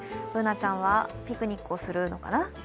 Ｂｏｏｎａちゃんはピクニックをするのかな。